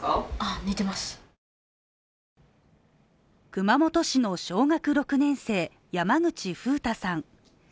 熊本市の小学６年生・山口楓太さん。